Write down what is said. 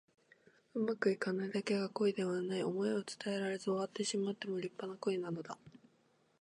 うまくいかないだけが恋ではない。想いを伝えられず終わってしまっても立派な恋なのだ。